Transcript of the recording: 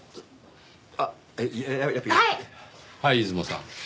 はい出雲さん。